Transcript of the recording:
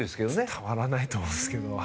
伝わらないと思うんですけど。